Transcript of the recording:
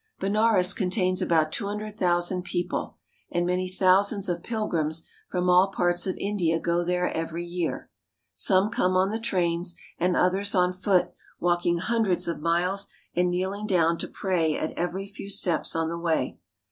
Benares contains about two hundred thousand people, and many thousands of pilgrims from all parts of India go there every year. Some come on the trains and others on foot walking hundreds of miles and kneeling THE RELIGIONS OF INDIA 279 down to pray at every few steps on the way.